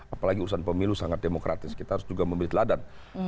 apalagi urusan pemilu sangat demokratis kita harus juga memilih teladan